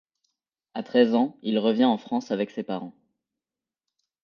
À treize ans, il revient en France avec ses parents.